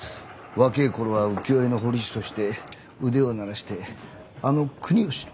若え頃は浮世絵の彫り師として腕を鳴らしてあの国芳の。